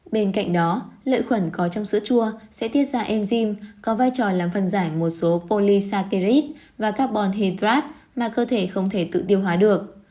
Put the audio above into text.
bên cạnh đó lợi khuẩn có trong sữa chua sẽ tiết ra enzym có vai trò làm phân giải một số polysa kirid và carbon hydrate mà cơ thể không thể tự tiêu hóa được